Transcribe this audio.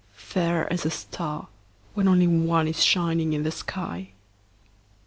–Fair as a star, when only one Is shining in the sky.